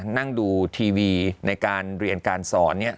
นั่งดูทีวีในการเรียนการสอน